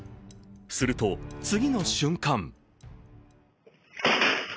すると次の瞬間